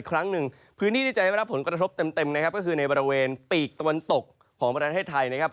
ครั้งหนึ่งพื้นที่ที่จะได้รับผลกระทบเต็มนะครับก็คือในบริเวณปีกตะวันตกของประเทศไทยนะครับ